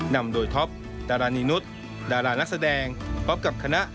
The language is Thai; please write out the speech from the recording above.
นำโดยท็อปดารานีนุษย์ดารานักแสดงพร้อมกับคณะ